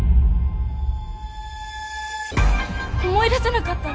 思い出せなかったの。